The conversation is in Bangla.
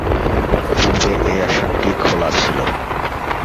পূর্বে এই আসনটি খোলা ছিল।